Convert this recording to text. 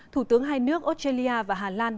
thủ tướng hai nước australia và hà lan